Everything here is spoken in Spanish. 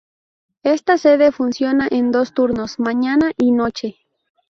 Esta sede funciona en dos turnos: mañana y noche.